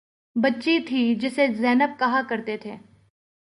بچی تھی جسے زینب کہا کرتے تھے